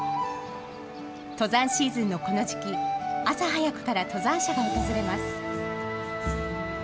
登山シーズンのこの時期朝早くから登山者が訪れます。